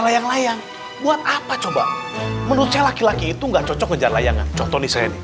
layang layang buat apa coba menurut saya laki laki itu nggak cocok kejar layangan